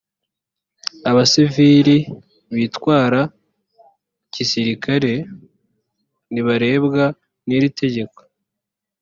abasiviri bitwara gisirikare ntibarebwa n’iri tegeko